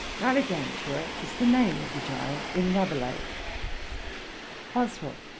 Garagantua is the name of a giant in Rabelais.' BOSWELL.